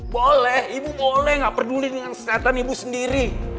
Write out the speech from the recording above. boleh ibu boleh nggak peduli dengan kesehatan ibu sendiri